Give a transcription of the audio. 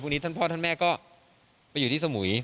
วันนี้ท่านพ่อท่านแม่ก็ไปอยู่ที่สมุย